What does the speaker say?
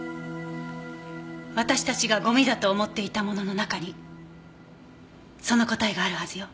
私たちがゴミだと思っていたものの中にその答えがあるはずよ。